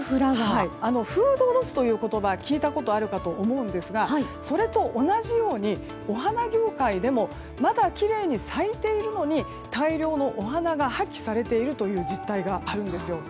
フードロスという言葉聞いたことあると思うんですがそれと同じようにお花業界でもまだきれいに咲いているのに大量のお花が破棄されているという実態があるんです。